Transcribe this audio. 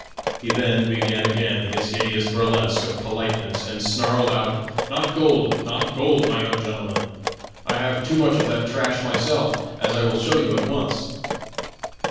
He then began again his hideous burlesque of politeness, and snarled out: 'Not gold, not gold, my young gentleman. I have too much of that trash myself, as I will show you at once?'"